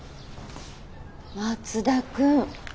松田君。